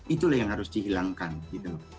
itulah yang harus dihilangkan gitu loh